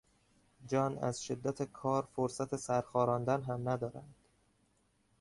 جان از شدت کار فرصت سرخاراندن هم ندارد.